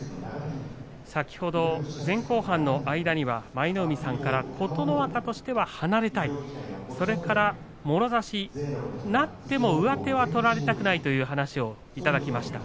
先ほど前後半の間には舞の海さんから琴ノ若としては離れたいもろ差しになって上手を取られたくないという話をいただきました。